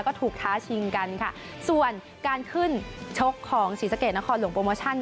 ก็ถูกท้าชิงกันค่ะส่วนการขึ้นชกของศรีสะเกดนครหลวงโปรโมชั่น